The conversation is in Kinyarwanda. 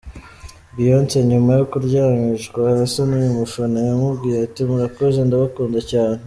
Beyonce nyuma yo kuryamishwa hasi n’uyu mufana yamubwiye ati, “ Murakoze ndabakunda cyane”.